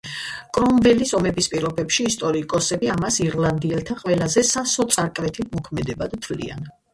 კრომველის ომების პირობებში, ისტორიკოსები ამას ირლანდიელთა ყველაზე სასოწარკვეთილ მოქმედებად თვლიან.